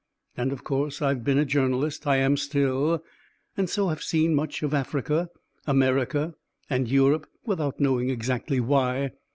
And of course, I've been a journalist. I am still; and so have seen much of Africa, America, and Europe, without knowing exactly why.